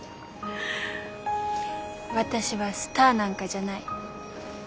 私はスターなんかじゃない。